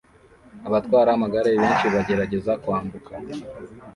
Abatwara amagare benshi bagerageza kwambuka